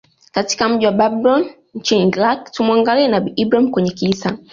katika mji Babylon nchini Iraq Tumuangalie nabii Ibrahim kwenye kisa